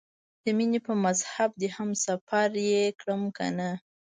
د مینې په مذهب دې هم سفر یې کړم کنه؟